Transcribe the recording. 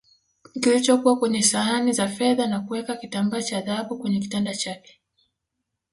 kilichokula kwenye sahani za fedha na kuweka kitambaa cha dhahabu kwenye vitanda vyake